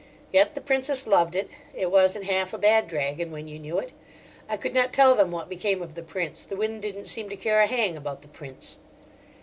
Yet the Princess loved it: it wasn't half a bad dragon, when you knew it. I could not tell them what became of the Prince: the wind didn't seem to care a hang about the Prince.